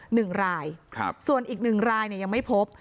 หนึ่งรายครับส่วนอีกหนึ่งรายเนี่ยยังไม่พบ